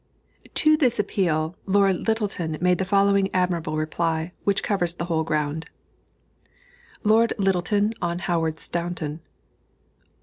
To this appeal, Lord Lyttelton made the following admirable reply, which covers the whole ground: LORD LYTTELTON ON HOWARD STAUNTON.